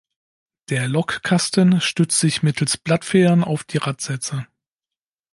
Der Lokkasten stützt sich mittels Blattfedern auf die Radsätze.